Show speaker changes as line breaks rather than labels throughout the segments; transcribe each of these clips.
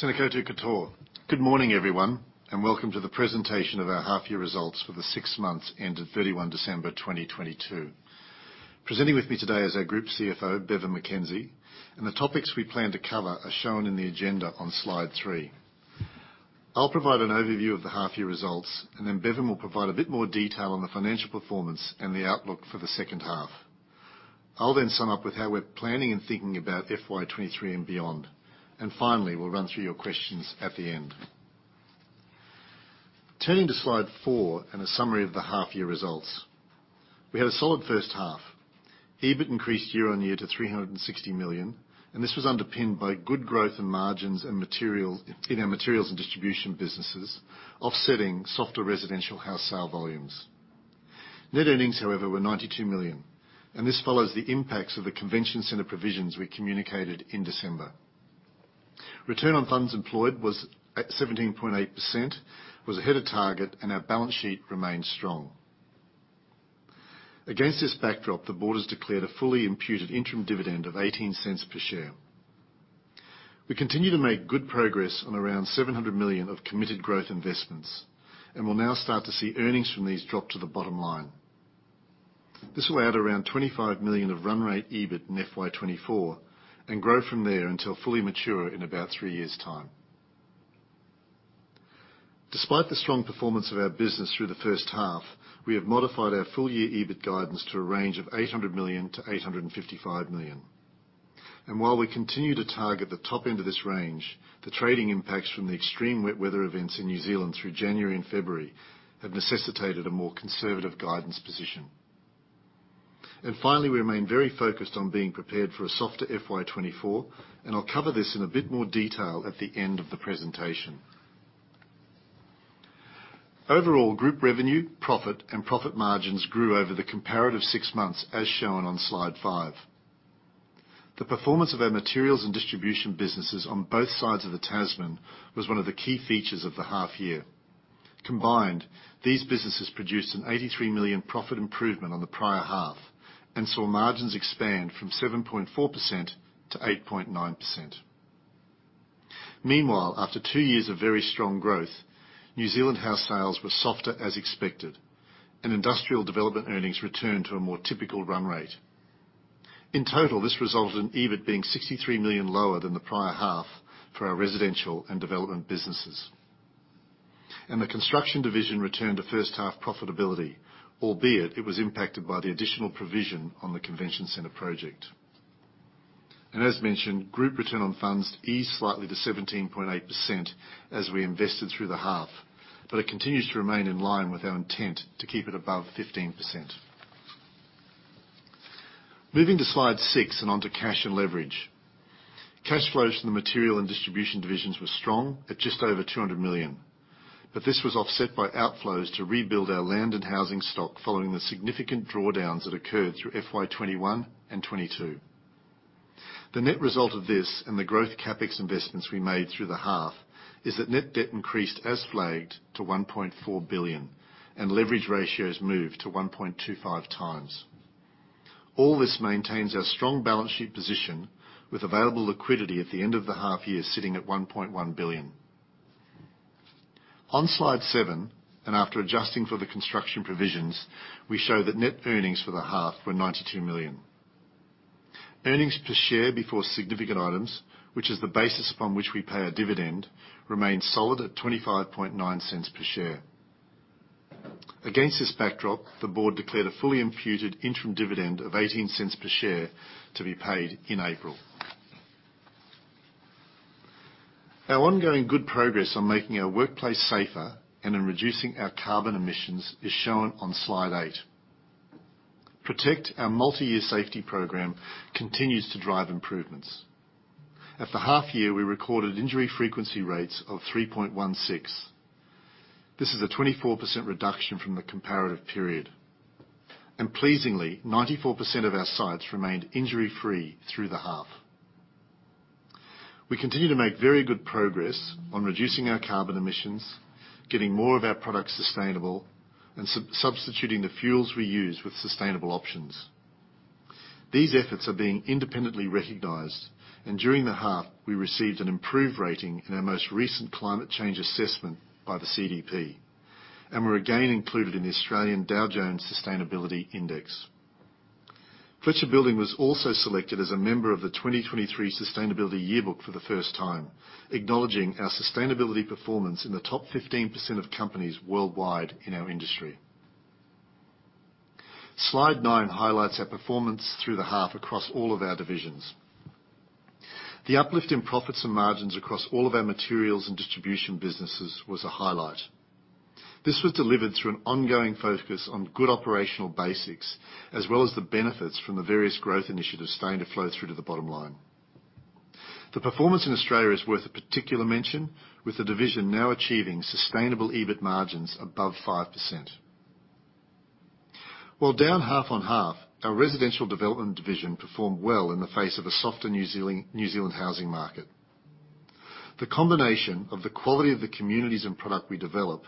Good morning, everyone. Welcome to the presentation of our half year results for the six months ending 31 December 2022. Presenting with me today is our Group CFO, Bevan McKenzie. The topics we plan to cover are shown in the agenda on slide 3. I'll provide an overview of the half year results. Bevan will provide a bit more detail on the financial performance and the outlook for the second half. I'll then sum up with how we're planning and thinking about FY23 and beyond. Finally, we'll run through your questions at the end. Turning to slide 4. A summary of the half year results. We had a solid first half. EBIT increased year-on-year to 360 million. This was underpinned by good growth in margins and material in our materials and distribution businesses, offsetting softer residential house sale volumes. Net earnings, however, were 92 million, and this follows the impacts of the Convention Centre provisions we communicated in December. Return on Funds Employed was at 17.8%, was ahead of target, and our balance sheet remained strong. Against this backdrop, the board has declared a fully imputed interim dividend of 0.18 per share. We continue to make good progress on around 700 million of committed growth investments, and will now start to see earnings from these drop to the bottom line. This will add around 25 million of run rate EBIT in FY 2024 and grow from there until fully mature in about 3 years' time. Despite the strong performance of our business through the first half, we have modified our full year EBIT guidance to a range of 800 million-855 million. While we continue to target the top end of this range, the trading impacts from the extreme wet weather events in New Zealand through January and February have necessitated a more conservative guidance position. Finally, we remain very focused on being prepared for a softer FY 2024, and I'll cover this in a bit more detail at the end of the presentation. Overall, group revenue, profit, and profit margins grew over the comparative six months as shown on slide 5. The performance of our materials and distribution businesses on both sides of the Tasman was one of the key features of the half year. Combined, these businesses produced an 83 million profit improvement on the prior half and saw margins expand from 7.4% to 8.9%. Meanwhile, after two years of very strong growth, New Zealand house sales were softer as expected, and industrial development earnings returned to a more typical run rate. In total, this resulted in EBIT being 63 million lower than the prior half for our residential and development businesses. The construction division returned to first half profitability, albeit it was impacted by the additional provision on the Convention Centre project. As mentioned, group return on funds eased slightly to 17.8% as we invested through the half, but it continues to remain in line with our intent to keep it above 15%. Moving to slide 6 and onto cash and leverage. Cash flows from the material and distribution divisions were strong at just over 200 million. This was offset by outflows to rebuild our land and housing stock following the significant drawdowns that occurred through FY 2021 and 2022. The net result of this and the growth CapEx investments we made through the half is that net debt increased as flagged to 1.4 billion and leverage ratios moved to 1.25 times. All this maintains our strong balance sheet position with available liquidity at the end of the half year sitting at 1.1 billion. On slide 7, after adjusting for the construction provisions, we show that net earnings for the half were 92 million. Earnings per share before significant items, which is the basis upon which we pay our dividend, remained solid at 0.259 per share. Against this backdrop, the board declared a fully imputed interim dividend of 0.18 per share to be paid in April. Our ongoing good progress on making our workplace safer and in reducing our carbon emissions is shown on slide 8. Protect, our multi-year safety program, continues to drive improvements. At the half year, we recorded injury frequency rates of 3.16. This is a 24% reduction from the comparative period. Pleasingly, 94% of our sites remained injury-free through the half. We continue to make very good progress on reducing our carbon emissions, getting more of our products sustainable, and sub-substituting the fuels we use with sustainable options. These efforts are being independently recognized, and during the half, we received an improved rating in our most recent climate change assessment by the CDP and were again included in the Australian Dow Jones Sustainability Australia Index. Fletcher Building was also selected as a member of the 2023 Sustainability Yearbook for the first time, acknowledging our sustainability performance in the top 15% of companies worldwide in our industry. Slide 9 highlights our performance through the half across all of our divisions. The uplift in profits and margins across all of our materials and distribution businesses was a highlight. This was delivered through an ongoing focus on good operational basics as well as the benefits from the various growth initiatives starting to flow through to the bottom line. The performance in Australia is worth a particular mention, with the division now achieving sustainable EBIT margins above 5%. While down half on half, our residential development division performed well in the face of a softer New Zealand housing market. The combination of the quality of the communities and product we develop,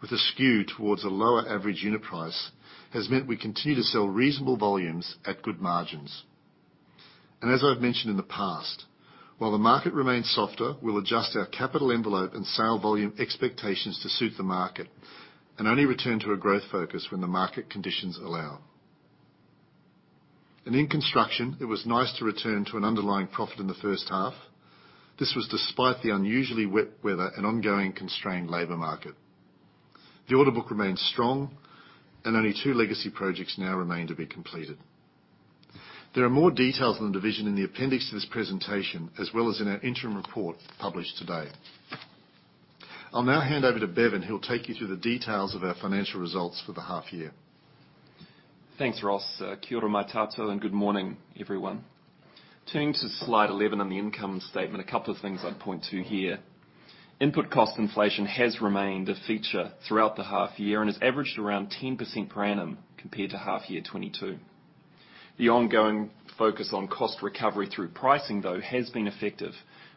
with a skew towards a lower average unit price, has meant we continue to sell reasonable volumes at good margins. As I've mentioned in the past, while the market remains softer, we'll adjust our capital envelope and sale volume expectations to suit the market, and only return to a growth focus when the market conditions allow. In construction, it was nice to return to an underlying profit in the first half. This was despite the unusually wet weather and ongoing constrained labor market. The order book remains strong, and only two legacy projects now remain to be completed. There are more details on the division in the appendix to this presentation, as well as in our interim report published today. I'll now hand over to Bevan, who will take you through the details of our financial results for the half year.
Thanks, Ross. Kia ora koutou. Good morning, everyone. Turning to slide 11 on the income statement, a couple of things I'd point to here. Input cost inflation has remained a feature throughout the half year and has averaged around 10% per annum compared to half year 2022. The ongoing focus on cost recovery through pricing, though, has been effective.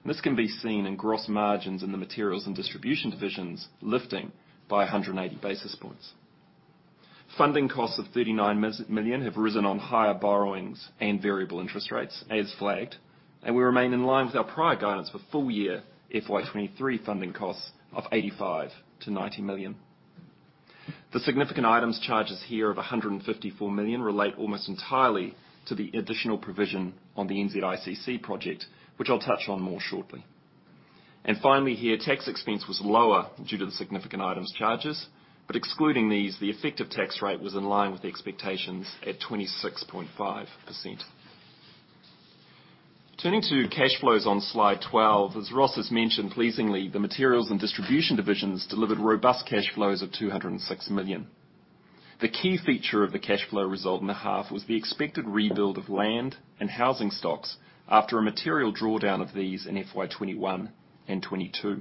This can be seen in gross margins in the materials and distribution divisions lifting by 180 basis points. Funding costs of 39 million have risen on higher borrowings and variable interest rates as flagged, and we remain in line with our prior guidance for full year FY2023 funding costs of 85 million-90 million. The significant items charges here of 154 million relate almost entirely to the additional provision on the NZICC project, which I'll touch on more shortly. Finally here, tax expense was lower due to the significant items charges, but excluding these, the effective tax rate was in line with the expectations at 26.5%. Turning to cash flows on slide 12. Ross has mentioned, pleasingly, the materials and distribution divisions delivered robust cash flows of 206 million. The key feature of the cash flow result in the half was the expected rebuild of land and housing stocks after a material drawdown of these in FY21 and 22.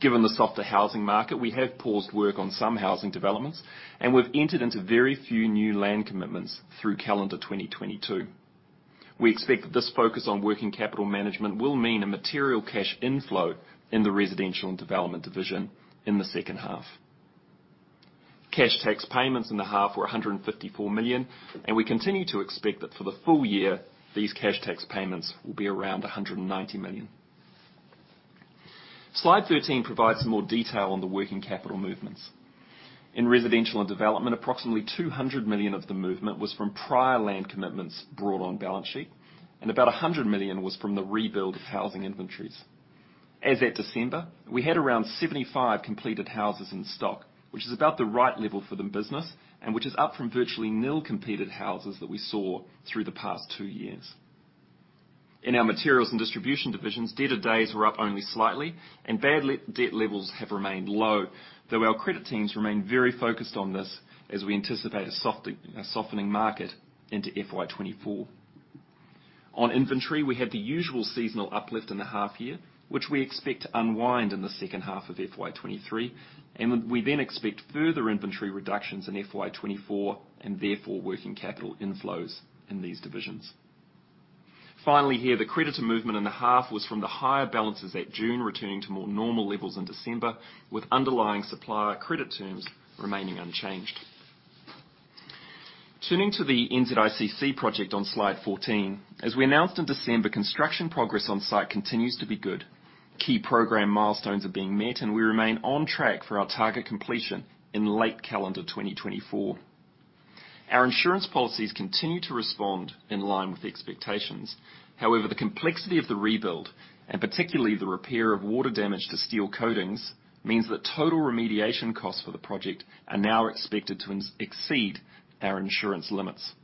Given the softer housing market, we have paused work on some housing developments, and we've entered into very few new land commitments through calendar 2022. We expect this focus on working capital management will mean a material cash inflow in the residential and development division in the second half. Cash tax payments in the half were 154 million. We continue to expect that for the full year, these cash tax payments will be around 190 million. Slide 13 provides some more detail on the working capital movements. In residential and development, approximately 200 million of the movement was from prior land commitments brought on balance sheet. About 100 million was from the rebuild of housing inventories. As at December, we had around 75 completed houses in stock, which is about the right level for the business. Which is up from virtually nil completed houses that we saw through the past 2 years. In our materials and distribution divisions, debt to days were up only slightly and bad debt levels have remained low, though our credit teams remain very focused on this as we anticipate a softening market into FY 2024. On inventory, we have the usual seasonal uplift in the half year, which we expect to unwind in the second half of FY 2023, and we then expect further inventory reductions in FY 2024 and therefore working capital inflows in these divisions. Finally here, the creditor movement in the half was from the higher balances at June, returning to more normal levels in December, with underlying supplier credit terms remaining unchanged. Turning to the NZICC project on slide 14. As we announced in December, construction progress on site continues to be good. Key program milestones are being met. We remain on track for our target completion in late calendar 2024. The complexity of the rebuild, and particularly the repair of water damage to steel coatings, means that total remediation costs for the project are now expected to exceed our insurance limits.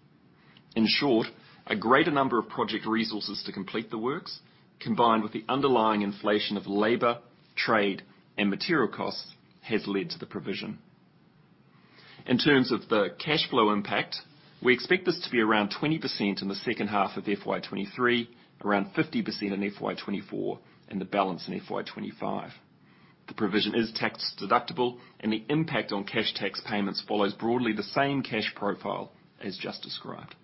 A greater number of project resources to complete the works, combined with the underlying inflation of labor, trade, and material costs, has led to the provision. In terms of the cash flow impact, we expect this to be around 20% in the second half of FY23, around 50% in FY24, and the balance in FY25. The provision is tax deductible. The impact on cash tax payments follows broadly the same cash profile as just described.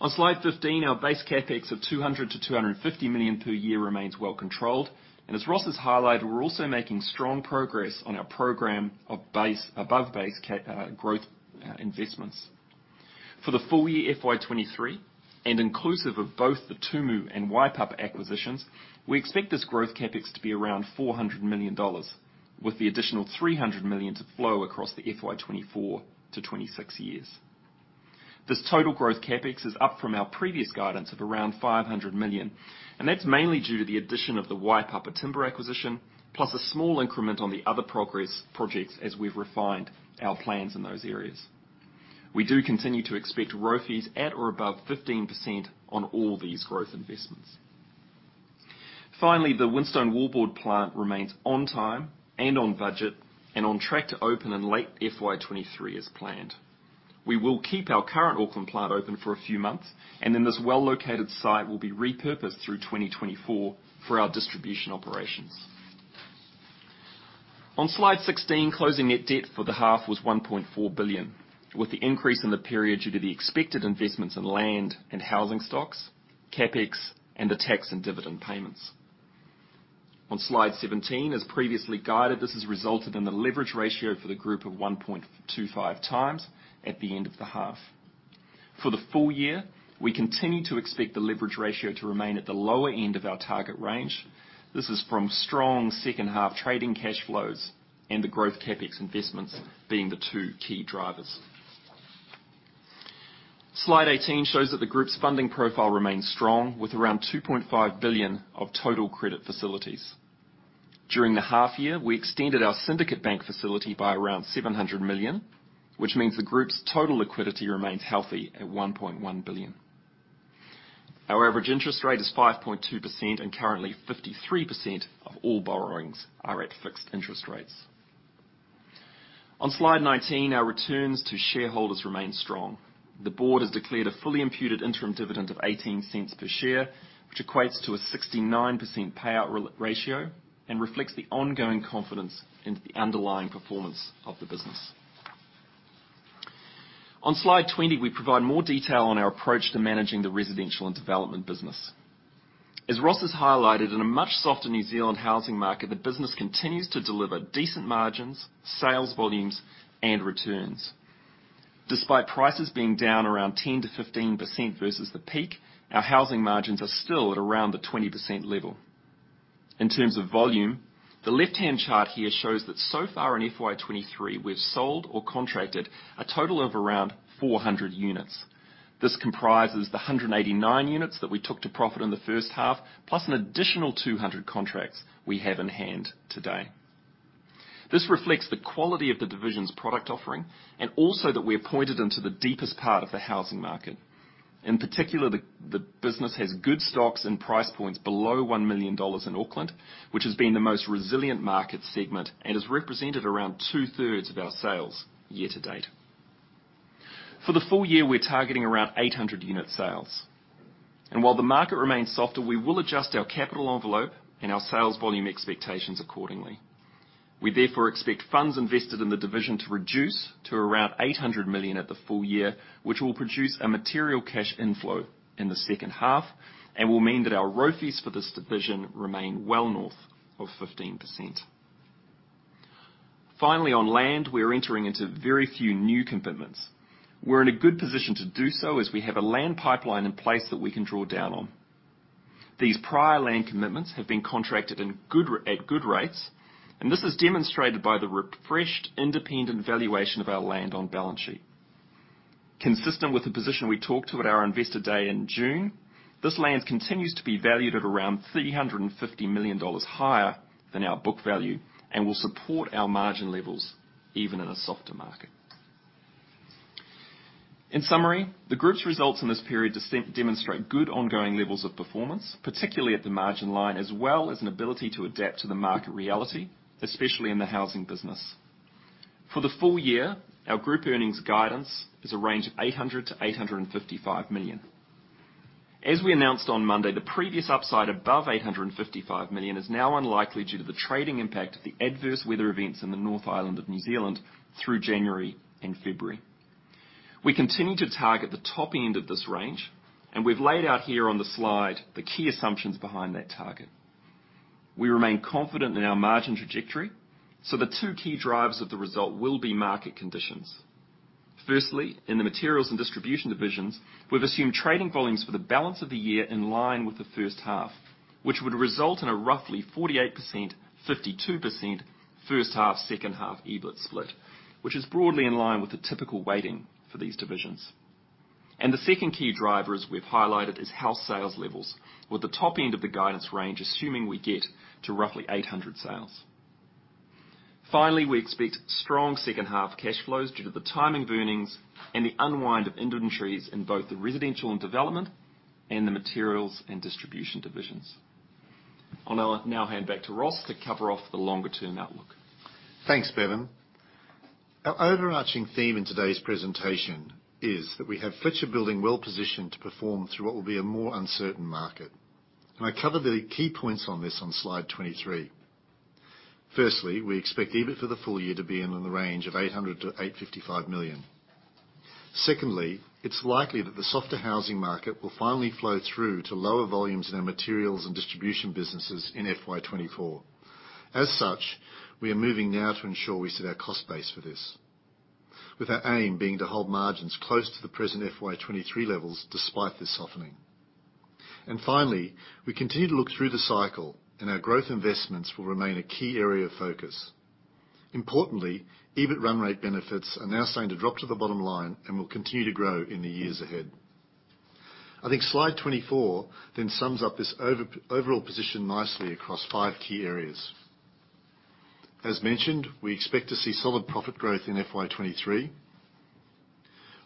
On slide 15, our base CapEx of 200 million-250 million per year remains well controlled. As Ross has highlighted, we're also making strong progress on our program of above base growth investments. For the full year FY 2023, and inclusive of both the Tumu and Waipapa acquisitions, we expect this growth CapEx to be around 400 million dollars, with the additional 300 million to flow across the FY 2024-2026 years. This total growth CapEx is up from our previous guidance of around 500 million, that's mainly due to the addition of the Waipapa timber acquisition, plus a small increment on the other projects as we've refined our plans in those areas. We do continue to expect ROFEs at or above 15% on all these growth investments. Finally, the Winstone Wallboards plant remains on time and on budget and on track to open in late FY 2023 as planned. We will keep our current Auckland plant open for a few months, and then this well-located site will be repurposed through 2024 for our distribution operations. Slide 16, closing net debt for the half was 1.4 billion, with the increase in the period due to the expected investments in land and housing stocks, CapEx, and the tax and dividend payments. On slide 17, as previously guided, this has resulted in the leverage ratio for the group of 1.25 times at the end of the half. For the full year, we continue to expect the leverage ratio to remain at the lower end of our target range. This is from strong second half trading cash flows and the growth CapEx investments being the 2 key drivers. Slide 18 shows that the group's funding profile remains strong, with around 2.5 billion of total credit facilities. During the half year, we extended our syndicate bank facility by around 700 million, which means the group's total liquidity remains healthy at 1.1 billion. Our average interest rate is 5.2%. Currently 53% of all borrowings are at fixed interest rates. On slide 19, our returns to shareholders remain strong. The board has declared a fully imputed interim dividend of 0.18 per share, which equates to a 69% payout ratio and reflects the ongoing confidence into the underlying performance of the business. On slide 20, we provide more detail on our approach to managing the residential and development business. As Ross has highlighted, in a much softer New Zealand housing market, the business continues to deliver decent margins, sales volumes and returns. Despite prices being down around 10%-15% versus the peak, our housing margins are still at around the 20% level. In terms of volume, the left-hand chart here shows that so far in FY23, we've sold or contracted a total of around 400 units. This comprises the 189 units that we took to profit in the first half, plus an additional 200 contracts we have in hand today. This reflects the quality of the division's product offering and also that we are pointed into the deepest part of the housing market. In particular, the business has good stocks and price points below 1 million dollars in Auckland, which has been the most resilient market segment and has represented around two-thirds of our sales year to date. For the full year, we're targeting around 800 unit sales. While the market remains softer, we will adjust our capital envelope and our sales volume expectations accordingly. We therefore expect funds invested in the division to reduce to around 800 million at the full year, which will produce a material cash inflow in the second half and will mean that our ROFEs for this division remain well north of 15%. Finally, on land, we are entering into very few new commitments. We're in a good position to do so as we have a land pipeline in place that we can draw down on. These prior land commitments have been contracted at good rates. This is demonstrated by the refreshed independent valuation of our land on balance sheet. Consistent with the position we talked to at our Investor Day in June, this land continues to be valued at around 350 million dollars higher than our book value and will support our margin levels even in a softer market. In summary, the group's results in this period demonstrate good ongoing levels of performance, particularly at the margin line, as well as an ability to adapt to the market reality, especially in the housing business. For the full year, our group earnings guidance is a range of 800 million-855 million. As we announced on Monday, the previous upside above 855 million is now unlikely due to the trading impact of the adverse weather events in the North Island of New Zealand through January and February. We continue to target the top end of this range, and we've laid out here on the slide the key assumptions behind that target. The two key drivers of the result will be market conditions. Firstly, in the materials and distribution divisions, we've assumed trading volumes for the balance of the year in line with the first half, which would result in a roughly 48%, 52% first half/second half EBIT split, which is broadly in line with the typical weighting for these divisions. The second key driver, as we've highlighted, is house sales levels, with the top end of the guidance range, assuming we get to roughly 800 sales. Finally, we expect strong second half cash flows due to the timing of earnings and the unwind of inventories in both the residential and development and the materials and distribution divisions. I'll now hand back to Ross to cover off the longer term outlook.
Thanks, Bevan. Our overarching theme in today's presentation is that we have Fletcher Building well positioned to perform through what will be a more uncertain market. I cover the key points on this on slide 23. Firstly, we expect EBIT for the full year to be in the range of 800 million-855 million. Secondly, it's likely that the softer housing market will finally flow through to lower volumes in our materials and distribution businesses in FY 2024. As such, we are moving now to ensure we set our cost base for this, with our aim being to hold margins close to the present FY 2023 levels despite this softening. Finally, we continue to look through the cycle, and our growth investments will remain a key area of focus. EBIT run rate benefits are now starting to drop to the bottom line and will continue to grow in the years ahead. I think slide 24 sums up this overall position nicely across five key areas. As mentioned, we expect to see solid profit growth in FY 2023.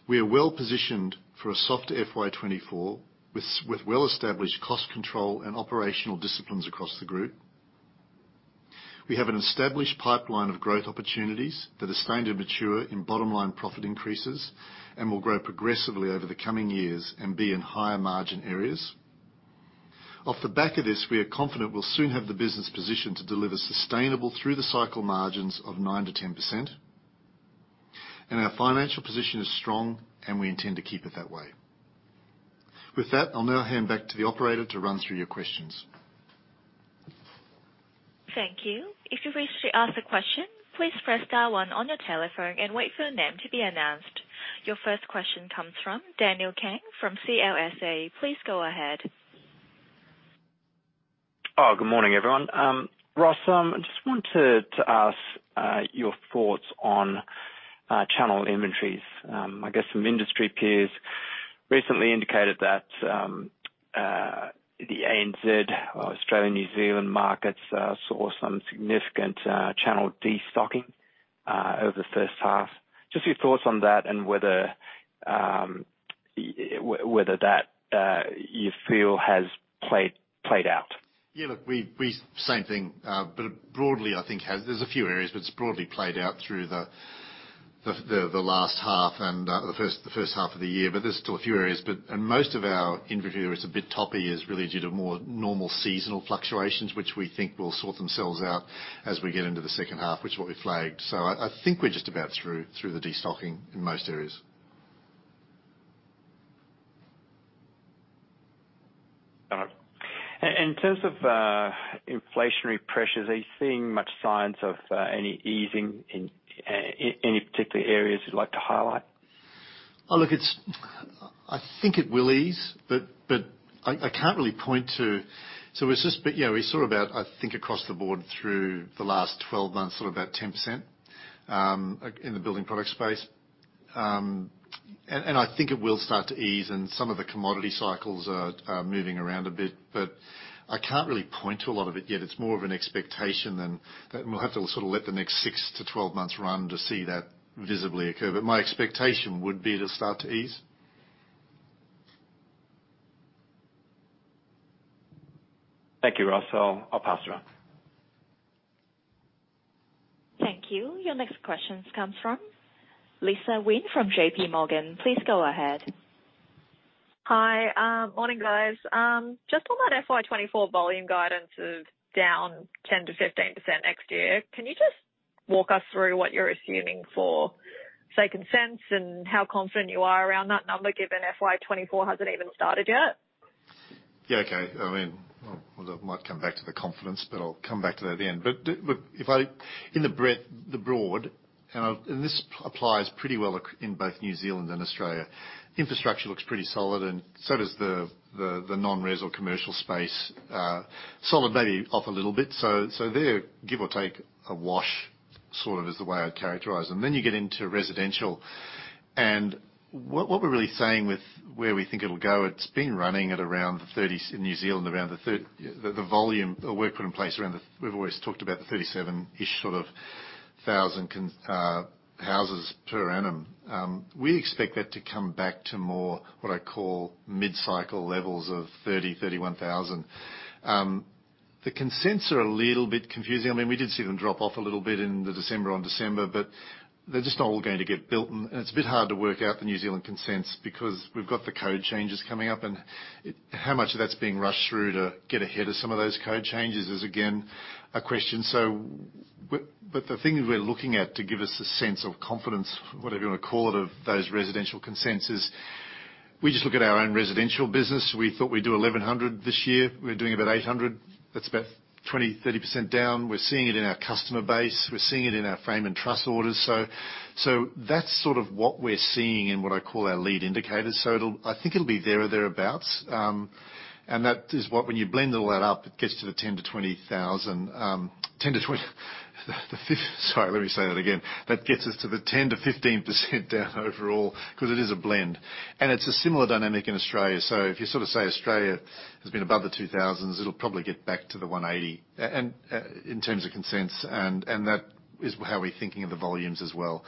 We are well positioned for a soft FY 2024 with well-established cost control and operational disciplines across the group. We have an established pipeline of growth opportunities that are starting to mature in bottom line profit increases and will grow progressively over the coming years and be in higher margin areas. Off the back of this, we are confident we'll soon have the business positioned to deliver sustainable through the cycle margins of 9%-10%. Our financial position is strong, and we intend to keep it that way. With that, I'll now hand back to the operator to run through your questions.
Thank you. If you wish to ask a question, please press star one on your telephone and wait for your name to be announced. Your first question comes from Daniel Kang from CLSA. Please go ahead.,
everyone. Ross, I just wanted to ask your thoughts on channel inventories. I guess some industry peers recently indicated that the ANZ or Australian New Zealand markets saw some significant channel destocking over the first half. Just your thoughts on that and whether you feel that has played out.
Yeah, look, we. Same thing. Broadly, I think there's a few areas, but it's broadly played out through the last half and the first half of the year. There's still a few areas. Most of our inventory where it's a bit toppy is really due to more normal seasonal fluctuations, which we think will sort themselves out as we get into the second half, which is what we flagged. I think we're just about through the destocking in most areas.
All right. In terms of inflationary pressures, are you seeing much signs of any easing in any particular areas you'd like to highlight?
I think it will ease, but I can't really point to. Yeah, we're sort of about, I think, across the board through the last 12 months, sort of about 10% in the building product space. And I think it will start to ease and some of the commodity cycles are moving around a bit, but I can't really point to a lot of it yet. It's more of an expectation than. We'll have to sort of let the next 6-12 months run to see that visibly occur. My expectation would be to start to ease.
Thank you, Ross. I'll pass around.
Thank you. Your next question comes from Lisa Huynh from J.P. Morgan. Please go ahead.
Hi. Morning, guys. Just on that FY24 volume guidance is down 10%-15% next year. Can you just walk us through what you're assuming for, say, consents and how confident you are around that number, given FY24 hasn't even started yet?
Yeah, okay. I mean, well, look, might come back to the confidence, but I'll come back to that at the end. In the breadth, the broad, and this applies pretty well in both New Zealand and Australia. Infrastructure looks pretty solid, and so does the non-res or commercial space. Solid may be off a little bit, so they're give or take a wash, sort of is the way I'd characterize them. You get into residential, and what we're really saying with where we think it'll go, it's been running at around in New Zealand, around Yeah, the volume or work put in place around We've always talked about the 37-ish sort of thousand houses per annum. We expect that to come back to more, what I call mid-cycle levels of 30,000-31,000. The consents are a little bit confusing. I mean, we did see them drop off a little bit in the December on December, but they're just not all going to get built. It's a bit hard to work out the New Zealand consents because we've got the code changes coming up and How much of that's being rushed through to get ahead of some of those code changes is again a question. But the thing we're looking at to give us a sense of confidence, whatever you wanna call it, of those residential consents is we just look at our own residential business. We thought we'd do 1,100 this year. We're doing about 800. That's about 20%-30% down. We're seeing it in our customer base. We're seeing it in our frame and truss orders. That's sort of what we're seeing in what I call our lead indicators. It'll I think it'll be there or thereabouts. That is what when you blend all that up, it gets to the 10,000-20,000, Sorry, let me say that again. That gets us to the 10%-15% down overall because it is a blend, and it's a similar dynamic in Australia. If you sort of say Australia has been above the 2,000s, it'll probably get back to the 180, and in terms of consents, that is how we're thinking of the volumes as well.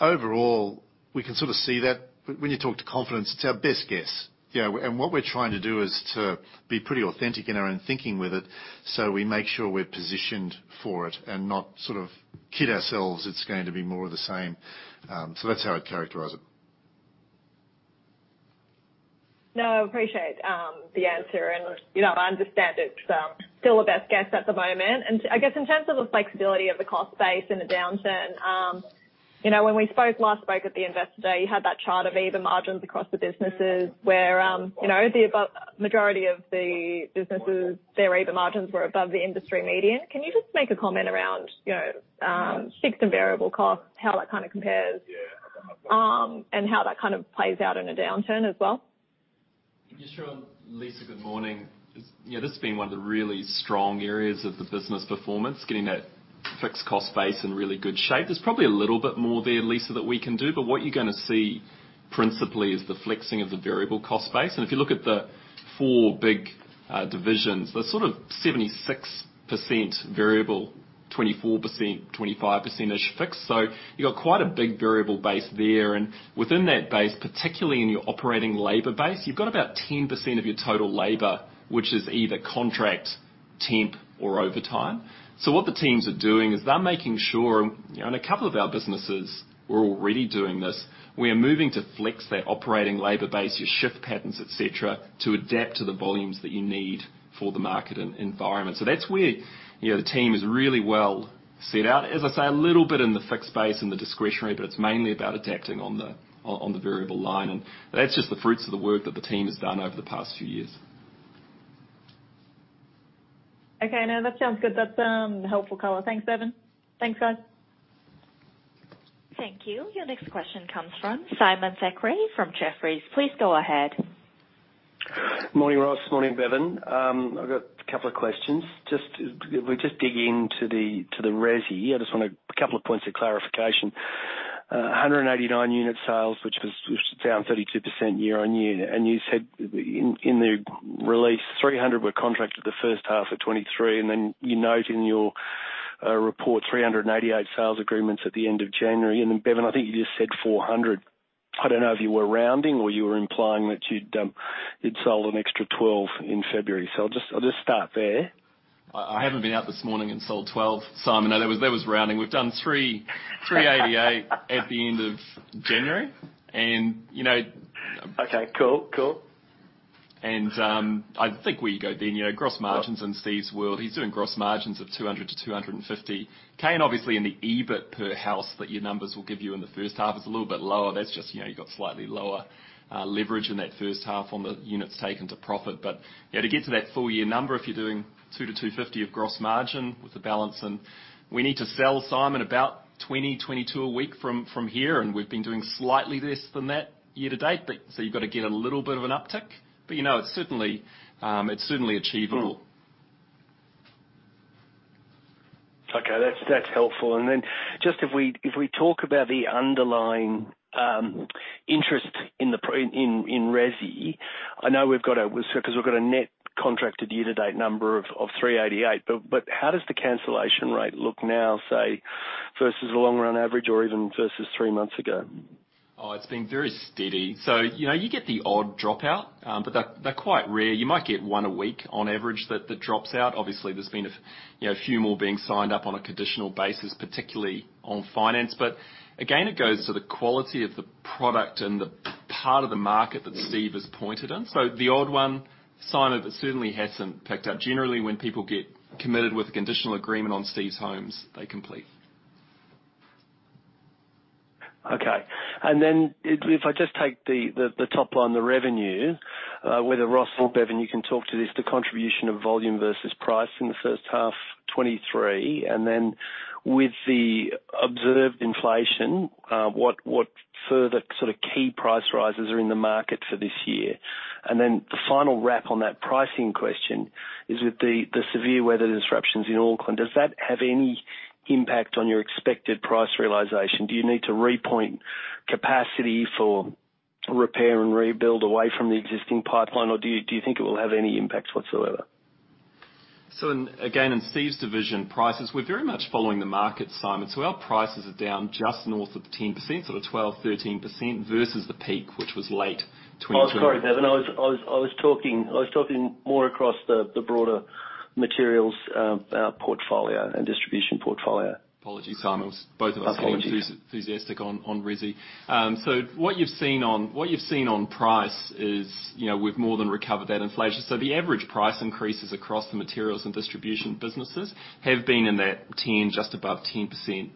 Overall, we can sort of see that. When you talk to confidence, it's our best guess. You know, what we're trying to do is to be pretty authentic in our own thinking with it, so we make sure we're positioned for it and not sort of kid ourselves it's going to be more of the same. That's how I'd characterize it.
No, I appreciate the answer, and, you know, I understand it's still a best guess at the moment. I guess in terms of the flexibility of the cost base in a downturn, you know, when we spoke last, spoke at the Investor Day, you had that chart of EBITDA margins across the businesses where, you know, the majority of the businesses, their EBITDA margins were above the industry median. Can you just make a comment around, you know, fixed and variable costs, how that kind of compares, and how that kind of plays out in a downturn as well?
Yeah, sure. Lisa, good morning. Yeah, this has been one of the really strong areas of the business performance, getting that fixed cost base in really good shape. There's probably a little bit more there, Lisa, that we can do, but what you're gonna see principally is the flexing of the variable cost base. If you look at the four big divisions, there's sort of 76% variable, 24%, 25%-ish fixed. You've got quite a big variable base there. Within that base, particularly in your operating labor base, you've got about 10% of your total labor, which is either contract, temp, or overtime. What the teams are doing is they're making sure, you know, in a couple of our businesses, we're already doing this, we are moving to flex that operating labor base, your shift patterns, et cetera, to adapt to the volumes that you need for the market environment. That's where, you know, the team is really well.
Set out. As I say, a little bit in the fixed base and the discretionary, but it's mainly about adapting on the, on the variable line. That's just the fruits of the work that the team has done over the past few years.
Okay. No, that sounds good. That's a helpful color. Thanks, Bevan. Thanks, guys.
Thank you. Your next question comes from Simon Thackray from Jefferies. Please go ahead.
Morning, Ross. Morning, Bevan. I've got a couple of questions. If we just dig into the resi, I just wanted a couple of points of clarification. 189 unit sales, which was, which is down 32% year-on-year. You said in the release, 300 were contracted the first half of 2023. Then you note in your report 388 sales agreements at the end of January. Then, Bevan, I think you just said 400. I don't know if you were rounding or you were implying that you'd sold an extra 12 in February. I'll just start there.
I haven't been out this morning and sold 12, Simon. No, that was rounding. We've done 388 at the end of January. You know.
Okay, cool.
I think where you go then, you know, gross margins in Stephen's world, he's doing gross margins of 200-250. Kane, obviously in the EBIT per house that your numbers will give you in the first half is a little bit lower. That's just, you know, you got slightly lower leverage in that first half on the units taken to profit. Yeah, to get to that full year number, if you're doing 200-250 of gross margin with the balance. We need to sell, Simon, about 20-22 a week from here, and we've been doing slightly less than that year to date. You've got to get a little bit of an uptick. You know, it's certainly, it's certainly achievable.
Okay. That's, that's helpful. Then just if we, if we talk about the underlying interest in the resi, I know we've got 'cause we've got a net contracted year-to-date number of 388, but how does the cancellation rate look now, say, versus the long run average or even versus three months ago?
Oh, it's been very steady. You know, you get the odd dropout, but they're quite rare. You might get one a week on average that drops out. Obviously, there's been a, you know, a few more being signed up on a conditional basis, particularly on finance. Again, it goes to the quality of the product and the part of the market that Steve has pointed in. The odd one, Simon, it certainly hasn't picked up. Generally, when people get committed with a conditional agreement on Steve's homes, they complete.
Okay. If, if I just take the top line, the revenue, whether Ross or Bevan, you can talk to this, the contribution of volume versus price in the first half 2023. With the observed inflation, what further sort of key price rises are in the market for this year? The final wrap on that pricing question is with the severe weather disruptions in Auckland, does that have any impact on your expected price realization? Do you need to repoint capacity for repair and rebuild away from the existing pipeline or do you think it will have any impact whatsoever?
Again, in Steve's division, prices, we're very much following the market, Simon. Our prices are down just north of 10%. The 12%, 13% versus the peak, which was late 2022.
Oh, sorry, Bevan. I was talking more across the broader materials, portfolio and distribution portfolio.
Apologies, Simon. Both of us-
Apology
getting enthusiastic on resi. what you've seen on, what you've seen on price is, you know, we've more than recovered that inflation. The average price increases across the materials and distribution businesses have been in that 10%, just above 10%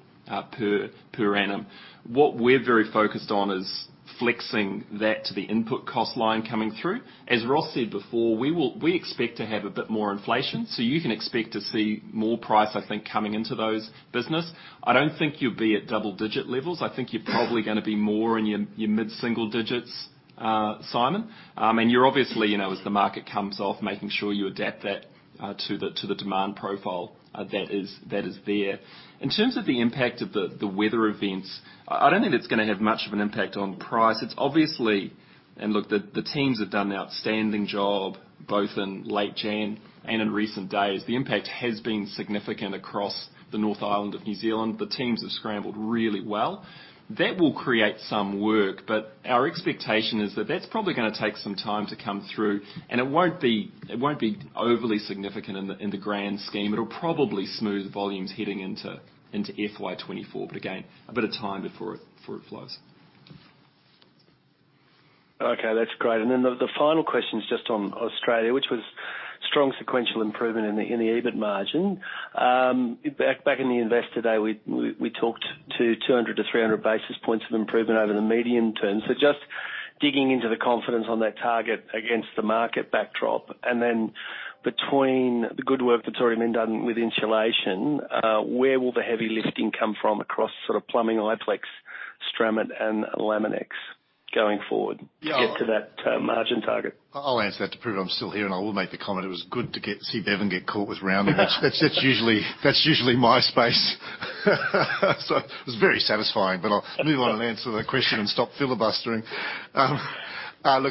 per annum. What we're very focused on is flexing that to the input cost line coming through. As Ross said before, we expect to have a bit more inflation, so you can expect to see more price, I think, coming into those business. I don't think you'll be at double-digit levels. I think you're probably gonna be more in your mid-single digits, Simon. And you're obviously, you know, as the market comes off, making sure you adapt that to the demand profile that is there. In terms of the impact of the weather events, I don't think it's gonna have much of an impact on price. Look, the teams have done an outstanding job, both in late Jan and in recent days. The impact has been significant across the North Island of New Zealand. The teams have scrambled really well. That will create some work, but our expectation is that that's probably gonna take some time to come through, and it won't be, it won't be overly significant in the, in the grand scheme. It'll probably smooth volumes heading into FY 2024. Again, a bit of time before it, before it flows.
Okay, that's great. The final question is just on Australia, which was strong sequential improvement in the EBIT margin. Back in the Investor Day, we talked to 200 to 300 basis points of improvement over the medium term. Just digging into the confidence on that target against the market backdrop. Between the good work that's already been done with insulation, where will the heavy lifting come from across sort of plumbing, Iplex, Stramit, and Laminex going forward.
Yeah
to get to that, margin target?
I'll answer that to prove I'm still here, I will make the comment it was good to see Bevan get caught with rounding. That's usually my space. It was very satisfying, I'll move on and answer the question and stop filibustering. The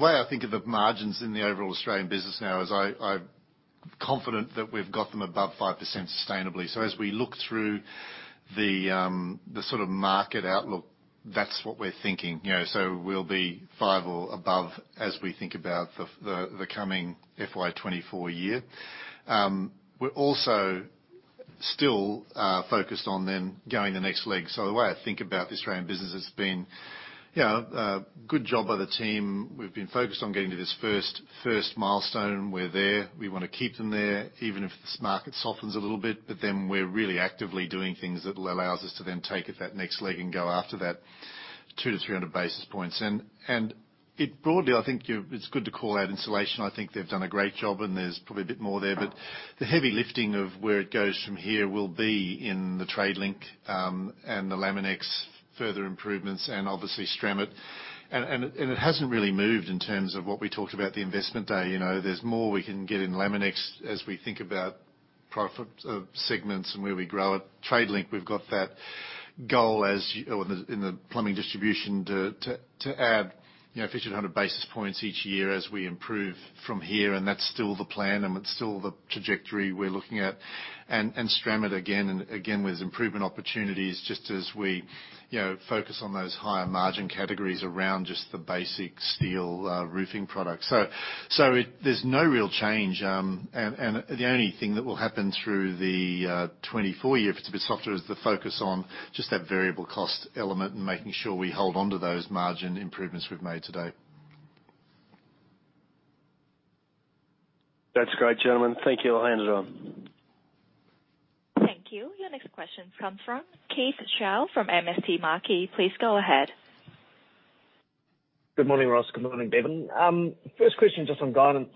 way I think of the margins in the overall Australian business now is I'm confident that we've got them above 5% sustainably. As we look through the sort of market outlook, that's what we're thinking. You know, we'll be five or above as we think about the coming FY 2024 year. We're also still
Focused on going the next leg. The way I think about the Australian business has been, you know, a good job by the team. We've been focused on getting to this first milestone. We're there. We wanna keep them there, even if this market softens a little bit, but then we're really actively doing things that'll allows us to then take it that next leg and go after that 200-300 basis points. It broadly, I think it's good to call out insulation. I think they've done a great job and there's probably a bit more there. The heavy lifting of where it goes from here will be in the Tradelink and the Laminex further improvements and obviously Stramit. It hasn't really moved in terms of what we talked about the investment day. You know? There's more we can get in Laminex as we think about profit segments and where we grow it. Tradelink, we've got that goal in the plumbing distribution to add, you know, 5 to 100 basis points each year as we improve from here, and that's still the plan, and it's still the trajectory we're looking at. And Stramit again and again, there's improvement opportunities just as we, you know, focus on those higher margin categories around just the basic steel roofing products. There's no real change, and the only thing that will happen through the 2024 year, if it's a bit softer, is the focus on just that variable cost element and making sure we hold onto those margin improvements we've made today.
That's great, gentlemen. Thank you. I'll hand it on.
Thank you. Your next question comes from Keith Chau from MST Marquee. Please go ahead.
Good morning, Ross. Good morning, Bevan. First question, just on guidance.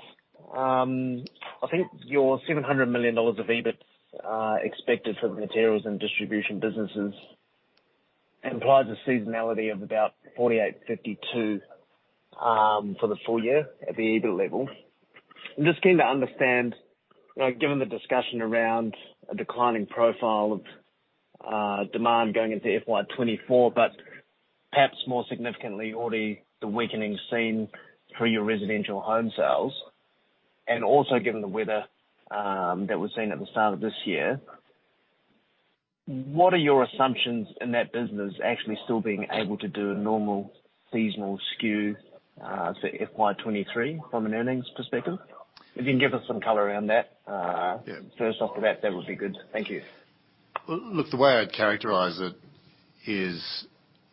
I think your NZD $700 million of EBIT expected for the materials and distribution businesses implies a seasonality of about 48%-52% for the full year at the EBIT level. I'm just keen to understand, given the discussion around a declining profile of demand going into FY2024, but perhaps more significantly already the weakening seen through your residential home sales, and also given the weather that was seen at the start of this year, what are your assumptions in that business actually still being able to do a normal seasonal skew to FY2023 from an earnings perspective? If you can give us some color around that.
Yeah.
First off the bat, that would be good. Thank you.
Well, look, the way I'd characterize it is,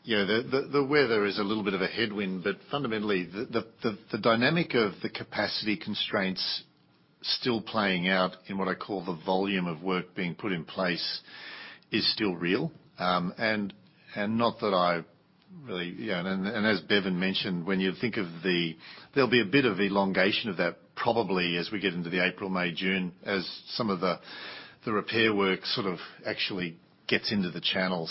you know, the weather is a little bit of a headwind, fundamentally the dynamic of the capacity constraints still playing out in what I call the volume of work being put in place is still real. Not that I really. You know, as Bevan mentioned, when you think of the, there'll be a bit of elongation of that probably as we get into the April/May/June as some of the repair work sort of actually gets into the channel.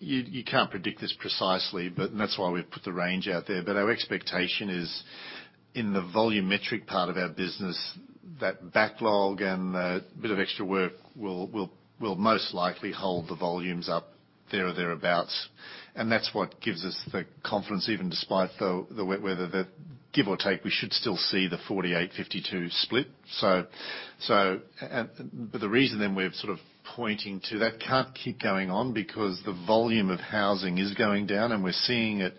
You can't predict this precisely, but and that's why we've put the range out there. Our expectation is in the volumetric part of our business, that backlog and that bit of extra work will most likely hold the volumes up there or thereabouts. That's what gives us the confidence, even despite the we-weather, that give or take, we should still see the 48, 52 split. The reason then we're sort of pointing to that can't keep going on because the volume of housing is going down, and we're seeing it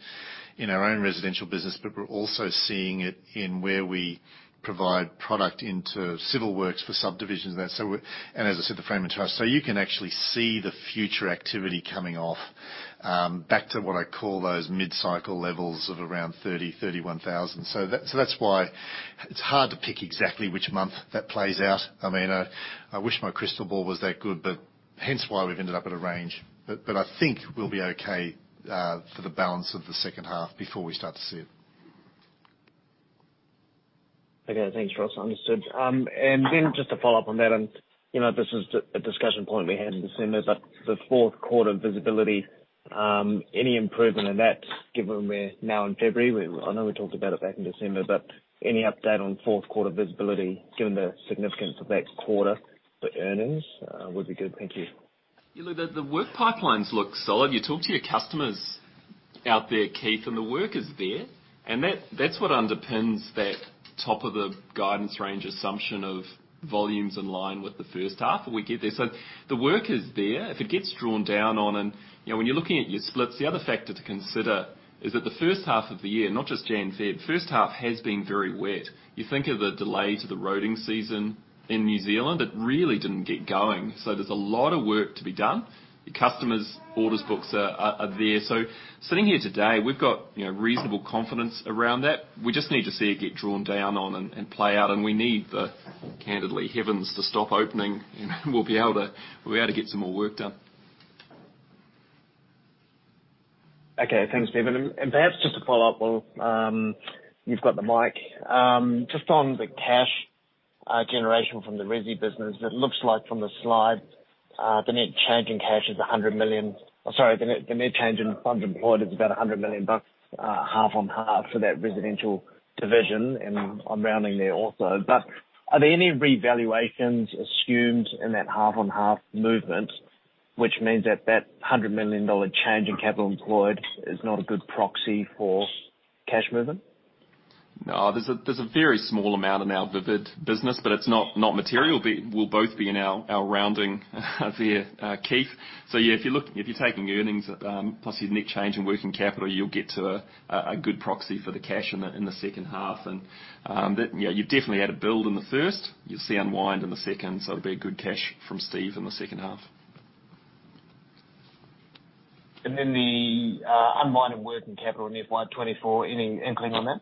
in our own residential business, but we're also seeing it in where we provide product into civil works for subdivisions. We're. As I said, the frame and truss. You can actually see the future activity coming off, back to what I call those mid-cycle levels of around 30,000-31,000. That's why it's hard to pick exactly which month that plays out. I mean, I wish my crystal ball was that good, hence why we've ended up at a range. I think we'll be okay, for the balance of the second half before we start to see it.
Okay. Thanks, Ross. Understood. Just to follow up on that and, you know, this is a discussion point we had in December, but the fourth quarter visibility, any improvement in that given we're now in February? I know we talked about it back in December, but any update on fourth quarter visibility given the significance of that quarter to earnings would be good. Thank you.
Look, the work pipelines look solid. You talk to your customers out there, Keith, and the work is there. That, that's what underpins that top of the guidance range assumption of volumes in line with the first half, and we get there. The work is there. If it gets drawn down on and... You know, when you're looking at your splits, the other factor to consider is that the first half of the year, not just Jan, Feb, the first half has been very wet. You think of the delay to the roading season in New Zealand, it really didn't get going. There's a lot of work to be done. Your customers' orders books are there. Sitting here today, we've got, you know, reasonable confidence around that. We just need to see it get drawn down on and play out. We need the, candidly, heavens to stop opening. We'll be able to get some more work done.
Okay. Thanks, Bevan. Perhaps just to follow up while you've got the mic. Just on the cash generation from the resi business, it looks like from the slide, the net change in cash is 100 million. Sorry, the net change in funds employed is about 100 million bucks half on half for that residential division, I'm rounding there also. Are there any revaluations assumed in that half on half movement, which means that that 100 million dollar change in capital employed is not a good proxy for cash movement?
No. There's a very small amount in our Vivid Living business, but it's not material. We'll both be in our rounding there, Keith Chau. Yeah, if you're taking earnings plus your net change in working capital, you'll get to a good proxy for the cash in the second half. That, you know, you've definitely had a build in the first. You'll see unwind in the second, so it'll be a good cash from Stephen Hudson in the second half.
The unwind of working capital in FY 2024, any inkling on that?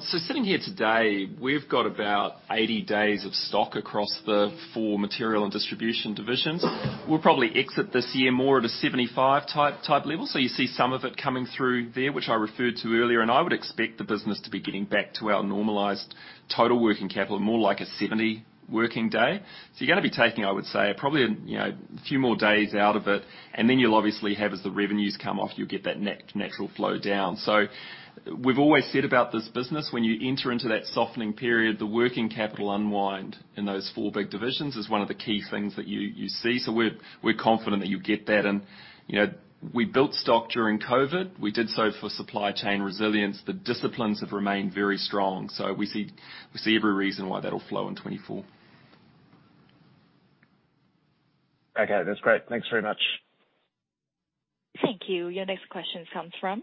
Sitting here today, we've got about 80 days of stock across the four material and distribution divisions. We'll probably exit this year more at a 75 type level. You see some of it coming through there, which I referred to earlier. I would expect the business to be getting back to our normalized total working capital more like a 70 working day. You're gonna be taking, I would say, probably, you know, a few more days out of it, and then you'll obviously have as the revenues come off, you'll get that natural flow down. We've always said about this business, when you enter into that softening period, the working capital unwind in those four big divisions is one of the key things that you see. We're confident that you'll get that. You know, we built stock during COVID. We did so for supply chain resilience. The disciplines have remained very strong. We see every reason why that'll flow in 2024.
Okay, that's great. Thanks very much.
Thank you. Your next question comes from